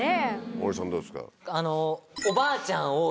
大西さんどうですか？